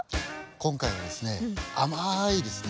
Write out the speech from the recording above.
今回はですね甘いですね